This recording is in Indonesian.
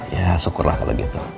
ya syukurlah kalau begitu